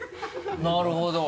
なるほど。